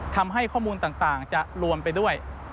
ข้อมูลต่างจะรวมไปด้วย